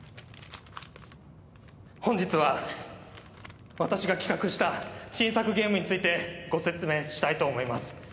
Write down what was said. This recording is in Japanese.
本日は私が企画した新作ゲームについてご説明したいと思います